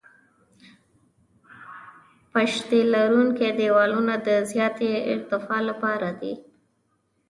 پشتي لرونکي دیوالونه د زیاتې ارتفاع لپاره دي